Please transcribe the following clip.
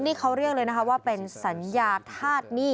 นี่เขาเรียกเลยนะคะว่าเป็นสัญญาธาตุหนี้